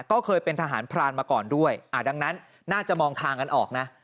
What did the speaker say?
ก็เคยเป็นทหารพรานมาก่อนด้วยดังนั้นน่าจะมองทางกันออกนะ